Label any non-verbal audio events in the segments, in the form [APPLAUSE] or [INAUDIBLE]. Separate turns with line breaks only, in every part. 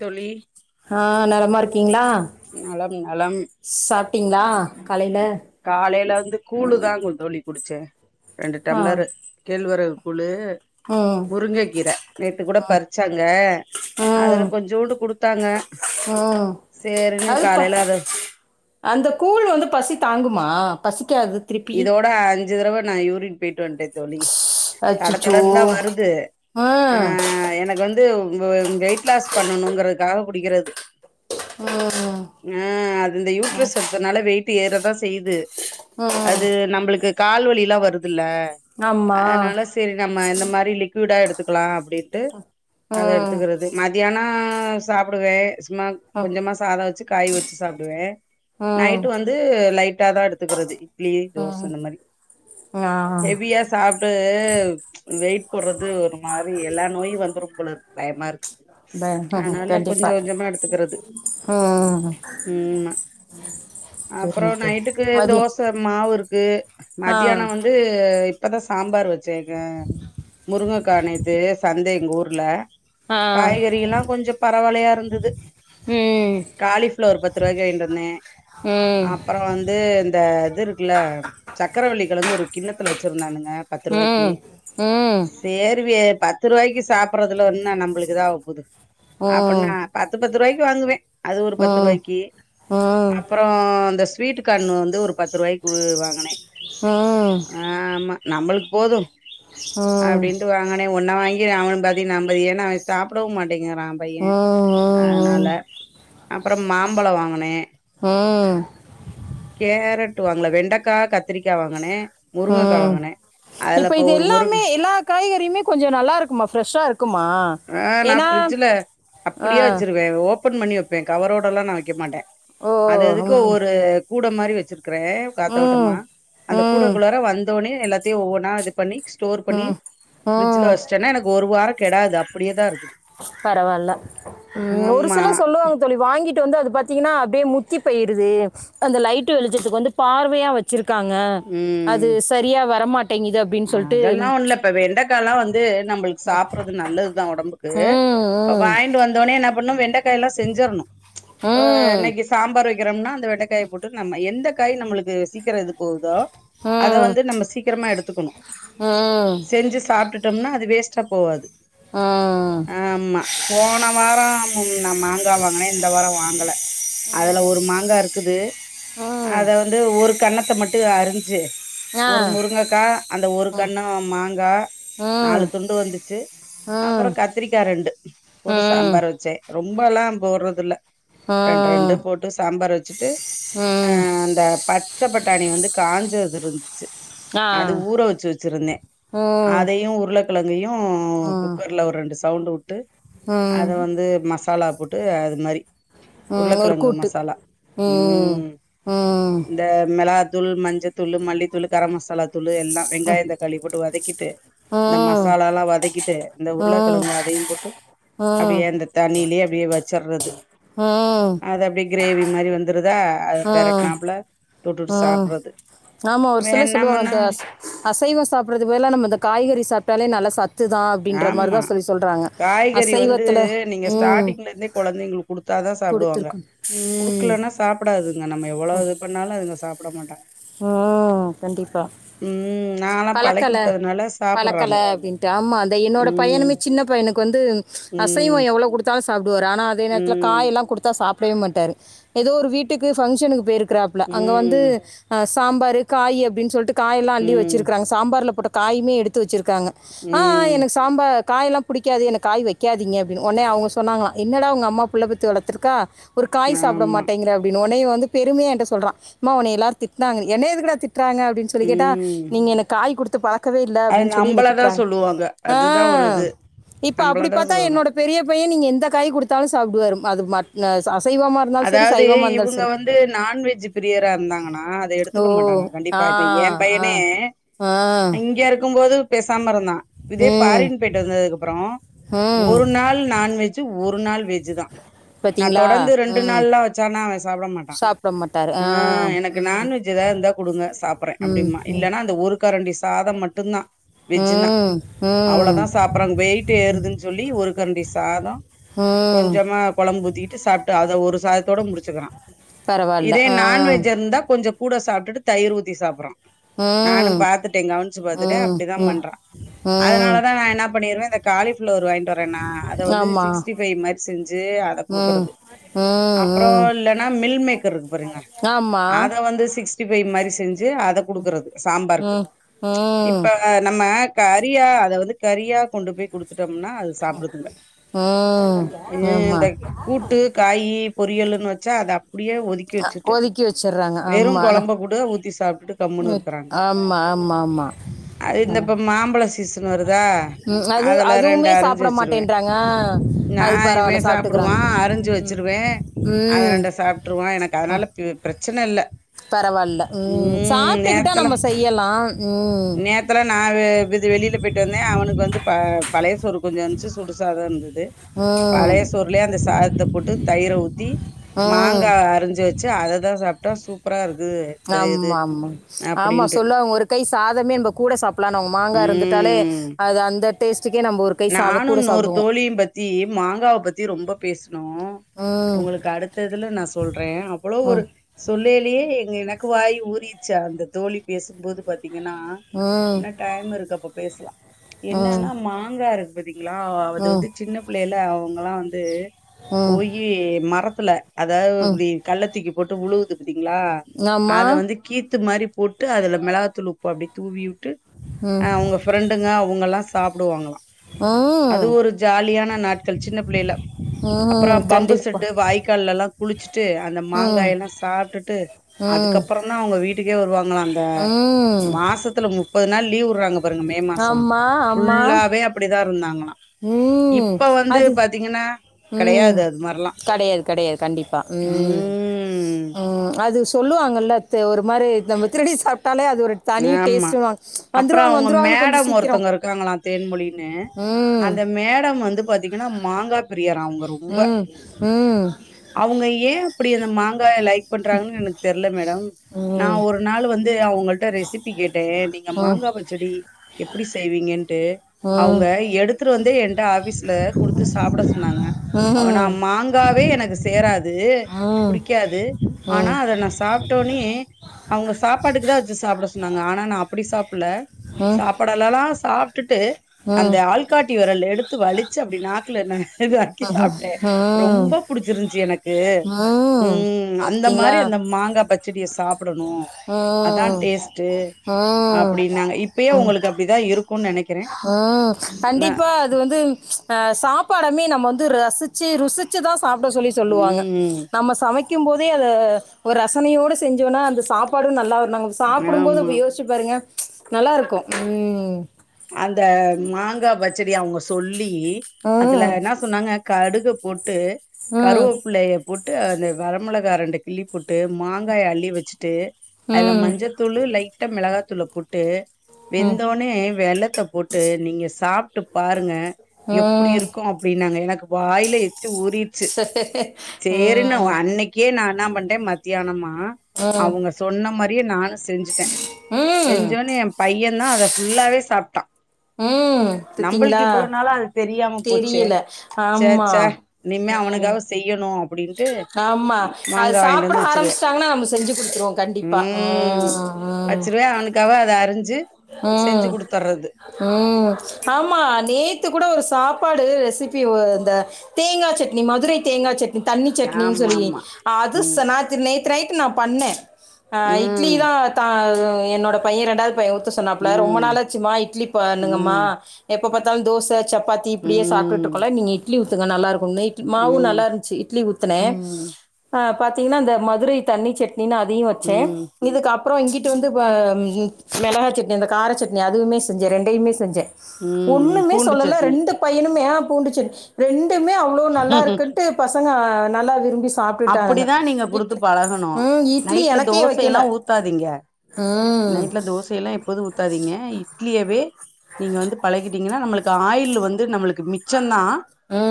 தோழி
ஆ நலமா இருக்கீங்ளா
நலம் நலம்
சாப்ட்டிங்ளா காலயில
காலையில வந்து கூழு தாங்கோ தோழி குடிச்சே ரெண்டு
ஆ
டம்ளரு கேழ்வரகு கூழூ
ம்
முருங்கை கீர நேத்து கூட பறிச்சாங்க
ம்
அதுல கொஞ்சோண்டு குடுத்தாங்க
ம்
சேரின்னு
அதுப்ப
காலையில அத
அந்த கூழு வந்து பசி தாங்குமா பசி
இதோட அஞ்சு தடவ நா யூரின் பேய்ட்டு வந்ட்ட தோழி தட
அச்சச்சோ
தடந்தா வருது ஆ
ம்
எனக்கு வந்து து வெயிட் லாஸ் பண்ணணுங்கிறதுக்காக குடிக்கிறது
ஓ
ஆ அது இந்த யூட்ரஸ் எடுத்தனால வெயிட்டு ஏறதா செய்யுது
ம்
அது நம்மளுக்கு கால் வலில வருதுல்ல
ஆமா
அதனால சேரி நம்ம இந்த மாரி லிக் டா எடுத்துக்கலா அப்டின்ட்டு அத
ம்
எடுத்துக்கறது மதியான சாப்பிடுவே மா
ம்
கொஞ்சமா சாத வச்சு காய வச்சு சாப்பிடுவே நைட்டு
ம்
வந்து லை டாதா எடுத்துக்கிறது இட்லி தோச
ம்
இந்த மாரி
ஆ
ஹெவியா சாப்பிட்டு வெயிட் போடுறது ஒரு மாரி எல்லா நோயு வந்துரும் போலா இருக்கு பய மா இருக்கு
ப ம்
அதனால கொஞ்ச
கண்டிப்பா
கொஞ்சமா எடுத்துக்கிறது
ம்
உம் அப்புற
சரிங்க தோழி
நைட்டுக்கு
மதியம்
தோச மாவு இருக்கு
ஆ
மத்தியான வந்து இப்பதா சாம்பார் வச்சைங்க முருங்கக் க்கா நேத்து சந்த எங்க ஊர்ல
ஆ
காய்கறி எல்லா கொஞ்ச பரவலையா இருந்துது
ம்
காலிஃபிளவர் பத்து ரூபாய்க்கு வாங்கிட்டு வந்தே
ம்
அப்புற வந்து இந்த இது இருக்குல சர்க்கரவள்ளிக் கிழங்கு ஒரு கிண்ணத்துல வச்சிருந்தானுங்க ஆ பத்து ரூபாய்க்கு
ம் ம்
சேர் வே பத்து ரூபாய்க்கு சாப்பறதுல என்ன நம்மளுக்கு இதகப்போது அப்டின்னா பத்து பத்து ரூபாய்க்கு வாங்குவே அது ஒரு பத்து ரூவாய்க்கு அப்பறோ அந்த ஸ்வீட் கான் வந்து ஒரு பத் து ரூவாய்கு வாங்கினேன் ஆ ஆமா நம்மளுக்கு போதும்
ம்
அப்டின்ட்டு வாங்கினே ஒன்ன வாங்கி அவன் பாதி நா பாதி ஏன்னா அவன் சாப்பிடவும் மாட் ட்டேங்கிற பையன் அதனால அப்பறம் மாம்பழம் வாங்குனே
ம்
வுட்டு வாங்களேன் வெண்டைக்காய் கத்திரிக்கா வாங்குனே முருங்கக்கா வாங்குனே
இப்போ இது எல்லாமே எல்லா காய்கறியுமே கொஞ்சம நல்லா இருக்குமா ஃப்ரெஷ்ஷா இருக்குமா
ஆ நான்
ஏன்னா
ஃபிரிட்ஜில
ஆ
அப்டியே வச்சிருவேன் ஓபன் பண்ணி வெப்பேன் கவரோட எல்லா நான் வெக்க மாட்டே
ஓ
அது அதுக்கு
ம்
ஒரு கூட மாரி வச்சிருக்கிறேன் காத்தோட்டமா
ம்
அந்த கூட
ம்
குள்ளார வந்தோனே எல்லாத்தையும் ஒவ்வொண்ணா இது பண்ணி ஸ்டோர் பண்ணி
ம்
ஃபிரிட்ஜில
ம்
வச்ட்டன்னா எனக்கு ஒரு வாரம் கெடாது அப்பிடியேதான் இருக்கோ
பரவால்ல ம் ஒரு
ஆமா
சில சொல்லுவாங்க தோழி வாங்கி வந்து அது பாத்தீங்கன்னா அப்டியே முத்தி போயிருது அந்த லைட்டு வெளிச்சதுக்கு வந்து பார்வையா வச்சிரு ருக்காங்க அது செரியா வரமாட்
ஆ அதெல்லாம் ஒண்ல்லப்பா வெண்டைக்காலா வந்து நம்புளுக்கு சாப்படுறது நல்லதுதான் ஒடம்புக்கு இப்ப
ம்
வாங்கிட்டு வந்தோனே என்ன பண்ணோ வெண்டக் ட்டைல்லா செஞ்சர்ணும் ஆ
ம்
இன்னிக்கு சாம்பார் வை க்கிறோம்னா அந்த வெண்டைக்காய போட்டு நம்ம எந்த காய் நம்முளுக்கு சீக்கிற வெந்துக்கு போகுதோ அத
ம்
வந்து நம்ம சீக்கிரமா எடுத்துக்கணு
ம் ம் ம்
செஞ்சு சாப்ட்டுடோம்னா அது வேஸ்ட்டா போவாது
ம்
ஆமா போன வார ம் நான் மாங்கா வாங்கனேன் இந்த வாரம் வாங்கல அதுல ஒரு மாங்கா இருக்குது அத வந்து ஒரு கண்ணத்த மட்டும் அரிஞ்சு ஒரு
ஆ
முருங்கைக்கா அந்த ஒரு கண்ணம் மாங்கா
ம்
நாலு
ம்
துண்டு வந்துச்சு
ம்
அப்பறோ
ம்
கத்திரிக்கா ரெண்டு போட்டு
ம்
சாம்பார் வச்சேன் ரொம்ப எல்லா போடுறது இல்ல ரெண்டு ரெண்டு போட்டு சாம்பார் வச்சுட்டு அ அந்த பச்ச பட்டாணி வந்து காஞ்சது இருந்துச்சு
ஆ
ஊற வச்சு வச்சிருந்தே அதையு உருளைக்கிழங்கையும்
ம்
குக்கர்ல ஒரு ரெண்டு சவுண்டு வுட்டு
ம்
அத
ம்
வந்து மசாலா போட்டு அது மாரி
ம், ஒரு
உருளக்கிழங்கு
கூட்டு
மசாலா ம்
ம்,
இந்த மிளாக் தூள் மஞ்சு தூள் மல்லி தூள் கரம் மசாலா தூளு எல்லா வெங்காயம் தக்காளி போட்டு வதக்கிட்டு இந்த
ம், ம்,
மசாலா எல்லா வதக்கிட்டு இந்த
ம்,
உருளக்கெழங்கு அதையு போட்டு
ம்,
அப்டியே அந்த தண்ணிலியே அப்டியே வச்சறது
ம்.
அது அப்டி கிரேவி மாரி வந்துருதா அது பெரட்னாப்புல தொட்டுட்டு
ம்
சாப்ட்றது
ஆமா ஒரு சிலர்
வேணாமன்னா
சொல்லுவாங்க அசைவ சாப்பிறது பதில நம்ம இந்த காய்கறி சாப்ட்டாலே நல்ல
ஆமா காய்கறி வந்து
அசைவத்தில்
நீங்க
ம்
ஸ்டார்ட்டிங்ல இருந்தே கொழந்தைங்களுக்கு கொடுத்தாதா ஸ் சாப்டுவாங்க
கொடுத்துருக்கோம் ம்
குடுக்கலனா சாப்பிடாதுங்க நம்ம எவ்ளவு இது பண்ணாலு அதுங்க சாப்பட மாட்டாங்க
ம் கண்டிப்பா
ம் நாலா பழக்கி
பழக்கல
வுட்டதுனால
பழக்கல
சாப்புட்றாங்க
அப்டின்ட்டு ஆமா அத என்னோட
ம்
பையனுமே சின்ன பையனுக்கு வந்து அசைவ
ம்
எவ்ளவு கொடுத்தாலு ச ப்டுவாரு ஆனா அதே நேரத்தில
ம்
காய் எல்லா குடுத்தா சாப்டவே மாட்டாரு ஏதோ ஒரு வீட்டுக்கு பங்க்ஷனுக்கு போய்ருக் கிராப்ல
ம்
அங்க வந்து அ சாம்பாரு காய் அப்டின்னு சொல்லிட்டு காயெல்லா அள்ளி வச்
ம்
சாம்பார்ல போட்ட காயுமே எடுத்து வச்சிருக்காங்க ஆ
ம்
எனக்கு சாம்பார் காய்யெல்லா புடிக்காது எனக்கு காய் வைக்காதீங்க அப்டின்னு ஒனே அவங்க சொன்னாங்கள என்னடா உங்க அம்மா புள்ள பெத்து வளர்த்துக்கா ஒரு காய் சாப்ட
ஆமா
மாட்டேங்கிற அப்டினு உனய வந்து பெருமைய ஏங்கிட்ட சொல்றா உம்மா உனய எல்லாரு திட்டினாங்க என்ன எதுகுட‌திட் றாங்க அப்படின்னு சொல்ல கேட்டா
ம்
நீங்க எனக்கு காய் கொடுத்து பழக்க க்கவே இல்ல
அது
அப்டின்னு சொல்லி எனன
நம்பளதா
திட்டுறாங்க
சொல்லுவாங்க
ஆ
அதுதா ஒரு இது
இப்ப அப்டி
நம்பளதா
பாத்தா
சொல்லுவாங்க
என்னோட பெரிய பைய நீங்க எந்த காய் கொடுத்தாலு சாப்டுவாரு அது ம
அதாவது இவங்க
சரி
வந்து நான்வெஜ் பிரியரா இருந்தாங்கன்னா அத
ஓ
எடுத்துக்க மாட்டாங்க கண்டிப்பா
ஆ
ப்ப ஏ
ஆ
பையனே
ஆ
இங்க இருக்கும்போது பேசாம இருந் தா இதே
ம்
பாரின் போய்யிட்டு வந்ததுக்கு அப்றோ
ம்
ஒரு நாள் நான்வெஜ் ஒரு நாள் வெஜ் தா நா
பார்த்தீங்களா
தொடர்ந்து ரெண்டு
ம்
நாள்ல்லா வச்சனா அவ சாப்ட மாட்டா
சாப்பிட மாட்டார்
ஆ எனக்கு
ம்
நான்வெஜ் ஏதா இருந்தா குடுங்க சாப்றே
ம்
அப்படிமா
ம்
இல்லைன்னா அந்த ஒரு கரண்டி சாதம் மட்டுதா
ம் ம்
அவ்ளோதா சாப்பறாங்க வெயிட் ஏறுதுன்னு சொல்லி ஒரு கண்டி சாதோ
ம்
கொஞ்சமா ககொழம்பு உத்திக்கிட்டு சாப்ட்டு அத ஒரு சாதத்தோட முடிச்சுக்குறா
பரவாயில்ல
இதே
ஆ
நான்வெஜ் இருந்தா கொஞ்சோ கூட சாப்ட்டுட்டு தயிர் ஊத்தி சாப்புறா நானு
ம்
பாத்துட்டே கவ்னிச்சு பாத்துட்டே
ம்
அப்டிதா
ம்
பண்றா
ம்
அதனாலதா நா என்னா பண்ணிருவே இந்த காலி பிளவர் வாங்கிட்டு வரேனா அத வந்து
ஆமாம்
சிக்ஸ்டி ஃபைவ் மாரி செஞ்சு அத
ம் ம்
குடுக்குறது அப்றோ
ம்
இல்லன்னா மில் மேக்கர் இருக்கு பாருங்க
ஆமாம்
அத வந்து சிக்ஸ் டி ஃபைவ் மாரி செஞ்சு அத குடுக்கறது சாம்பாருக்கு
ம் ம்
இப்ப நம்ம கறியா அத வந்து கறியா கொண்டு போய் குடுத்துட் டோம்னா அது சாப்டுதுங்க ம் இந்த கூட்டு காயு பொரியல்ன்னு வச்சா அத அப்டியே ஒதுக்கி வச்சுட்டு
ஒதுக்கி
வெறு கொழம்ப கூட ஊத்தி சாப்
ஓப் ஆமா ஆமா ஆமா
அது இந்தப்ப மாம்பழ சீசன் வருதா
ம் அது
அதுல ரெண்டு
அதுவுமே
அரிஞ்சு
சாப்பிட
வச்சிருவே
மாட்டேன்றாங்க அது
நாயுமே
பரவாயில்ல சாப்பிட்டுக்கிறாங்க
சாப்பிடுவா அரிஞ்சு வச்சிருவே அத
ம்
ரெண்டு சாப்புட்டுருவா எனக்கு அதனால பி பிரச்சன இல்ல
பரவாயில்ல
ம்
சாப்பிட்டுக்கிட்டா
நேத்தலா
நம்ம செய்யலாம் ம்
நேத்தலா நாவு [UNINTELLIGIBLE] அது வெளியில போயிட்டு வந்தே அவனுக்கு வந்து ப பழையசோறு கொஞ்சோ இருந்துச்சு சுடுசாதோ இருந்த து
ம்
பழைய சோறுல அந்த சாதத்தை போட்டு தயிர ஊத் த்தி
ம்
மாங்காய் அரிஞ்சு வச்சு அததா சாப்ட்டா சூப்பரா இருக்
ஆம்மா ஆமா ஆமா சொல்ல ஒரு கை சாதமே ந கூட சாப்பலா மாங்கா இருந்துட்டாலே
ம்
அது அந்த டேஸ்ட்டுக்கே நம்ம ஒரு கை சாதம்
நானு
கூட
இன்னொரு
சாப்பிடுவோம்
தோழியு பத்தி மாங்காவ பத்தி ரொம்ப பேசுனோ
ம்
உங்களுக்கு அடுத்ததுல நா சொல்றே அவ்ளோ ஒரு
ம்
சொல்லேலியே எனக்கு வாய் ஊறிச்சு அந்த தோழி பேசும்போது பாத் தீங்கன்னா
ம்
இன்னு டைம் இருக்கு அப்ப பேசலா என்னன்னா
ம்
மாங்கா இருக்கு பதீங் கலா அது
ம்
வந்து சின்ன பிள்ளைல அவங்கல்லா வந்து
ம்
போயி மரத்துல அதாவது
ம்
இப்டி கள்ளத்தூக்கி போட்டு உழுவுது பாத்தீங்களா அத
ஆமாம்
வந்து கீத் து மாரி போட்டு அது மெளகாத்தூள் உப்பு அப்டி தூவியுட்டு
ம்
அவுங்க ஃபிரெண்டுங்க அவுங்கெல்லா சாப்டுவாங்களா அது
ம்
ஒரு ஜாலியான நாட்கள் சின்ன பிள்ளையில அப்பற
ம்
பம்பு
கண்டிப்பாக
செட்டு வாய்க்கால்ல எல்லா குளிச்சுட்டு அந்த
ம்
மாங்காய எல்லா சாப்ட்டுட்டு
ம்
அதுக்கப்றந்தா அவுங்க வீட்டுக்கே வருவாங்களா அந்த
ம்
மாசத்துல முப்பது நாள் லீவ் உடறாங்க பாருங்க மே மாசோ
ஆமாம் ஆமாம்
ஃபுல்லாவே அப்டிதா இருந்தாங்களா
ம்
இப்ப வந்து
அது
பாத்தீங்கன்னா
ம்
கெடையாது அது மாரிலா
கடையாது கடையாது கண்டிப்பா ம்
ம்
ம் அது சொல்லுவாங்கல்ல த் ஒரு மாரி நம்ம திருடி சாப்
ஆமா அப்ற
வந்துருவாங்க
அவுங்க
வந்துருவாங்கன்னு கொஞ்சம்
மேடம்
சீக்கிரம்.
ஒருத்தங்க இருக்காங்களா தேன்மொழினு
ம்.
அந்த மேடம் வந்து பாத்திங்கனா மாங்கா பி ரியரா அவுங்க ரொம்ப
ம். ம்.
அவுங்க ஏ அப்பிடி அந்த மாங்காய லைக் பண்றாங்கனு எனக்கு தெர்ல மேடம் நா
ம்.
ஒரு நாள் வந்து அவுங்கள் ட ரெசிபி கேட்டே நீங்க
ம். ம்.
மாங்கா பச்சடி எப்புடி செய்விங்கன்ட்டு
ம்.
அவுங்க எடுத்துட்டு வந்தே என்ட்ட ஆஃபிஸ்ல குடுத்து சாப்ட சொ ன்னாங்க அ நா
ம்.
மாங்காவே எனக்கு சேராது து
ம்.
புடிக்காது ஆனா
ம்.
அத நா சாப் டோனே அவுங்க சாப்பாட்டுக்கு தா வச்சு சாப்ட சொன்னாங்க ஆனா நா அப்புடி சாப்புல சாப்படலலா சாப்ட்டுட்டு அந்த
ம்.
ஆள்காட் டி விரல் எடுத்து வலிச்சு அப்டி நாக்குல ந நக்கி சாப்ட்டே
ம்.
ரொம்ப புடிச்சிருந்ச்சு எனக் கு ம் அந்த மாரி அந்த மாங்கா பச்சடிய சாப்டணு அதா
ம்.
டேஸ்ட்டு
ம்.
அப்டின்னாங்க இப்பயே உங்களுக்கு அப்டிதா இருக்
ம் கண்டிப்பா அது வந்து அ சாப்பாடமே நம்ம வந் து ரசிச்சு ருசிச்சு தா சாப்ட சொல்லி சொல்லுவாங்க
ம்
நம்ம சமை க்கும் போதே அத ஒரு ரசனையோடு செஞ்சோனா அந்த சாப்பாடு நல்லா நாங்க சாப்டும் போது
ஆமா
அ யோசிச்சு பாருங்க நல்லா இருக்கு ம்
அந்த மாங்கா பச்சடி அவுங்க சொல்லி அதுல
ம்.
என்னா சொன்னாங்க கடுகு போட்டு
ம்.
கருவப்பிலய போட்டு அந்த வரமெளகா ரண்ட கிள்ளி போட்டு மாங்காய அள்ளி வச்சிட்டு அதுல
ம்.
மஞ்சத்தூளு லைட்டா மெளகாத்தூள போட்டு
ம்.
வெந்தோனே வெல்லத்த போட்டு நீங்க சாப்ட்டு பாருங்க எப்புடி
ம்.
இருக்கு அப்டி னாங்க எனக்கு வாயில எச்சி ஊறிருச்சு
சரி.
சேரினு ஒ
ம்.
அன்னைக்கே நா என்ன பண்ட்ட மத்யானமா
ம்.
அவுங்க சொன்ன மாரியே நானு செஞ்சுட்ட
ம்.
செஞ்சோன்னே எம் பையந்தா அத ஃபுல்லாவே சாப்ட்டா
ம்
நம்பளுக்கு
தெத்திங்ளா
இவ்வளோ நாளா அது தெரியாம போச்சே
தெரியில
ச்சே
ஆமா
ச்சே இனிமே
ம்
அவனுக்காக செய்யணு அப்டின்ட்டு
ஆமா அது
மாங்கா வாங்கிட்டு
சாப்பட
வந்து வச்சிருவே
ஆரம்பிச்சுட்டாங்னா நம்ம செஞ்சு குடுத்துருவோ கண் டிப்பா ம் ம்
வச்சிருவே அவனுக்காக அத அரிஞ்சு செஞ்சு
ம்
குடுத்தர்றது
ம் ஆமா நேத்து கூட ஒரு சாப்பாடு ரெசிபி ஒ இந்த தேங்கா சட்னி மாதிரி தேங்கா சட் தண்ணி சட்னினு
ஆமா
சொல்லி
ஆமா
அது
ம்
ச நாத் நேத்து நைட்டு நா பண்ணே ஆ இட்லி
ம்
தா தா என்னோட பைய ரெண்டாவுது பைய ஊத் த சொன்னாப்ள ரொம்ப
ம்
நாளாச்சுமா இட்லி பண்ணுங்கமா
ம்
எப்ப பாத்தாலு தோச சப்பாத்தி இப்பிடியே
ம்
சாப்டுட்ருக்கோல நீங்க இட்லி ஊத்துங்க நல்லாருக் கு நைட் மாவு
ம்
நல்லா இருந்ச்சு இட்லி ஊத்துனே
ம்
பாத்திங்னா அந்த மதுரை தண்ணி சட் னினு அதையு வச்சே
ம்
இதுக்கப்புறோ இங்கிட்டு வந்து ப மெளகா சட்னி அந்த கார சட்னி அதுவுமே செஞ்சே ரெண்டயுமே செஞ்சே
ம்
ஒண்ணுமே
பூண்டு
சொல்லல
சட்னி
ரெண்டு பையனுமே பூண்டுச்சன் ரெண்டுமே அவ்ளோ நல்லாருக்குன்ட்டு பசங்க நல்லா விரும்பி சாப்ட்டுட்டானுங்க.
அப்புடிதா நீங்க குடுத்து
இட்லி
பழகணு
ம் இட்லி
நைட்ல
எனக்கே
தோசைல்லா
வைக்கல.
ஊத்தாதிங்க
ம்.
நைட்ல தோசை எல்லா எப் போது ஊத்தாதிங்க இட்லியவே நீங்க வந்து பழக்கிட்டிங்கனா நம்மளுக்கு ஆயில் வந்து நம்மளுக் மிச்சந்தா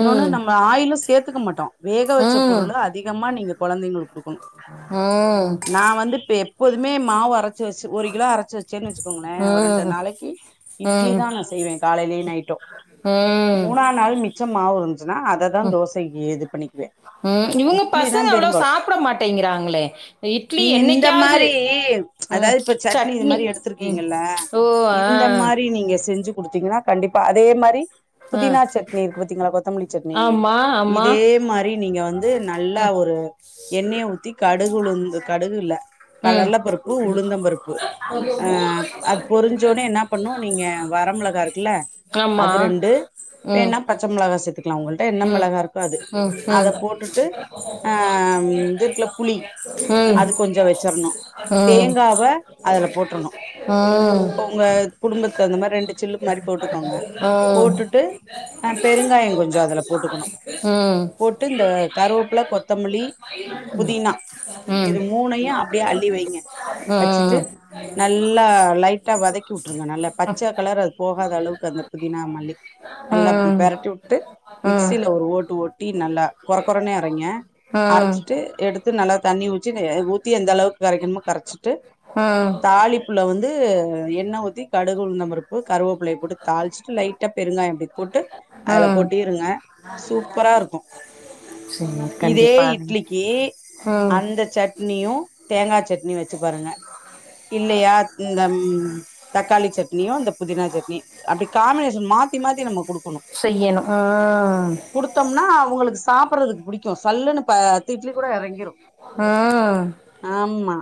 இன்னோனு நம்ம ஆயிலு சேத்துக்க மாட்டோ வேக வச்ச
ம்.
பொருளு அது மா நீங்க குழந்தைங்களுக்கு கொடுக்கணும்
ம்.
நான் வந்து இப்ப எப்போதுமே மாவுரச்ச ரைச்சு வச்சு ஒரு கிலோ அரைச்சு வச்சேன்னு வச்சுக்கோங்களே ஒரு ரெண்டு
ம்.
நாளைக்கு இட்லி
ம்.
தா நா செய்வே காலைலி நைட்டு
ம்.
மூணா நாள் மி ச்சமாவு ருந்துச்சுன்னா அததா தோசைக்கு இது பண்ணிக்குவே
ம். இவங்க
இட்லி தா
பசங்க அவ்வளோ
பெரும்பாலு
சாப்பிட மாட்டேங்கிறாங்களே! இட்லி
நீங்க இந்த
என்னைக்காவது.
மாரி
ம்.
அதாது இப்ப சட்னி இது மாரி
ம்.
எடுத்துருக்கீங்ல
ஓ! ஆ.
இந்த மாரி நீங்க செஞ்சு குடுத்தீங்னா கண்டிப்பா அதே மாரி
ஆ.
புதினா சட்னி இருக்கு பத்தீங்ளா கொத்தமல்லி சட்னி
ஆமா, ஆமா.
இதே மாரி நீங்க வந்து நல்லா ஒரு எண்ணய ஊத்தி கடுகுளுந் கடுகுல
ம்.
கலல பருப்பு உளுந்த பருப்பு ஆ அது பொரிஞ்சோன்னே என்ன பண்ணு நீங்க வர ர மெளகா இருக்குல்ல
ஆமா.
அது ரெண்டு
ம்.
வேணா பச்ச மொளகா சேத்துக் க்லா உங்கள்ட்ட என்ன
ம்.
மொளகா இருக்கோ அது
ம்.
அத போட்டுட் அ இதுருக்குல புளி
ம். ம்.
அது கொஞ்சோ வச்சற்ணு
ம்.
தேங்காவ அதுல போட்ருணு
ம்.
ஒங்க குடும்பத்த இந்த மாரி ரெண்டு சில்லு மாரி போட்டுக்கோங்க
ம்.
போட்டுட்டு அ பெருங்காயோ கொஞ்சோ அதுல போட்டுக்கணு
ம். ம். ம். ம்.
போட்டு இந்த கருவப்ல கொத்தமல்லி புதினா இது மூணயு அப்டே அள்ளி வைங்க வச்சுட்டு நல்லா லைட் டா வதக்கி உட்ருங்க நல்ல பச்ச கலர் அது போகாத அளவுக்கு அந்த புதினா மல்லி நல்லா இப்
ம்.
பெரட்டி உட்டு மிக்சில ஒரு ஓட்டு ஓட்டி நல்லா கொர கொரனே அரைங்க
ம். ம்.
அரைச்சிட்டு எடுத் து நல்லா தண்ணி ஊச்சி அ ஊத்தி எந்த அளவுக்கு கரைக்கணுமோ கரைச்சிட்டு தாலிப்புல வந்து என்ண ஊத் தி கடுகுளுந்தம் பருப்பு கருவப்ளய போட்டு தாளிச்சிட்டு லைட்டா பெருங்காயோ பொடி போட்டு அதுல
ம்.
கொட்டிருங்க சூப்பராருக்கு
சரி.
இதே
கண்டிப்பா.
இட்லிக்கு
ம்.
அந்த சட்னி யு தேங்கா சட்னியு வச்சு பாருங்க இல்லயா இந்த ம் தக்காளி சட்னியு இந்த புதினா சட்னியு அப்டி காமினேஷன் மா மாத்தி மாத்தி நம்ம குடுக்கணு
செய்யணு ம்
குடுத்தம்னா அவங்களுக்கு சாப்பர் றதுக்கு புடிக்கு சல்லுன்னு ப பத்து இட்லி கூட எறங்கிரு
ம்
ஆமா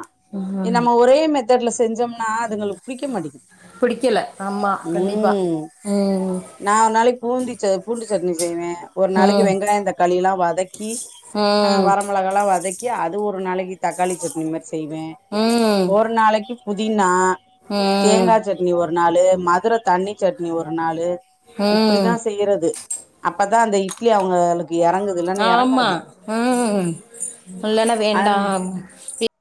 இ நம்ம ஒரே மே செஞ்சம்னா அதுங்களுக்கு புடிக்க மாட்டிக்கிது
பிடிக்கல ஆமா கண்டிப்பா
ம்
ம்
நா ஒரு நாளைக்கு பூந்திச்ச பூண்டு சட்னி செய்வே ஒரு நாளைக்கு
ம்
வெங்காயம் தக் வதக்கி அ
ம்
வரமொளகாலா வதக்கி அது ஒரு நாளைக்கு தக்காளி சட்னி மரி செய்வே
ம்
ஒரு நாளைக்கு புதினா
ம்
தேங்கா சட்னி ஒரு நாளு மதுர தண்ணி சட்னி ஒரு நாளு
ம்
இப்டிதா செய்யறது அப்பதா அந்த இட்லி அவங்க ளுக்கு
ஆமா ஆ இல்லன்னா
அன்
வேண்டா